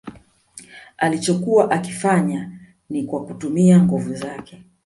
Alichokuwa akifanya ni kwa kutumia nguvu zake